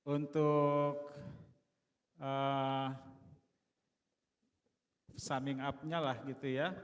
untuk somming up nya lah gitu ya